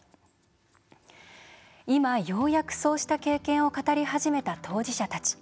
今、ようやく、そうした経験を語り始めた当事者たち。